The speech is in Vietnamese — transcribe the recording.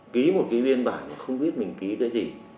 ký một cái biên bản là không biết mình ký cái gì